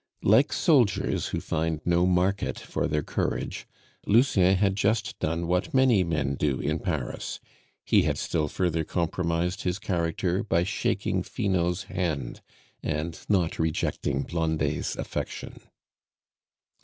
Like soldiers who find no market for their courage, Lucien had just done what many men do in Paris: he had still further compromised his character by shaking Finot's hand, and not rejecting Blondet's affection.